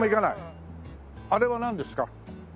あれはなんですか？